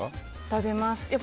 食べます。